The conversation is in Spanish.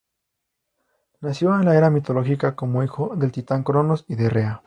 Nació en la Era mitológica como hijo del Titán Cronos y de Rea.